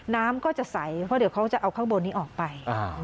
น้ำก็จะใสเพราะเดี๋ยวเขาจะเอาข้างบนนี้ออกไป